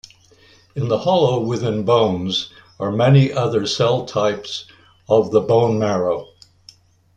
In the hollow within bones are many other cell types of the bone marrow.